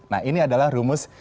nah ini adalah rumus